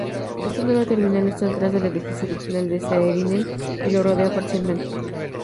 Esta nueva terminal está detrás del edificio original de Saarinen y lo rodea parcialmente.